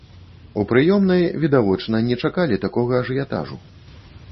У прыёмнай відавочна не чакалі такога ажыятажу.